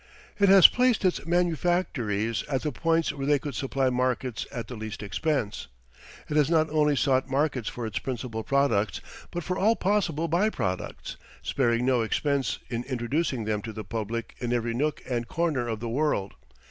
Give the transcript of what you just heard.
It has placed its manufactories at the points where they could supply markets at the least expense. It has not only sought markets for its principal products, but for all possible by products, sparing no expense in introducing them to the public in every nook and corner of the world.